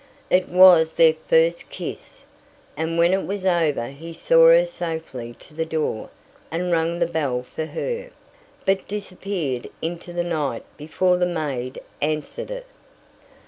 It was their first kiss, and when it was over he saw her safely to the door and rang the bell for her, but disappeared into the night before the maid answered it.